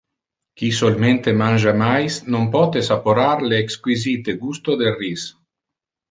Qui solmente mangia mais non pote saporar le exquisite gusto del ris.